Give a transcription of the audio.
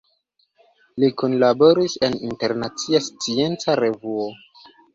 Li kunlaboris en Internacia Scienca Revuo.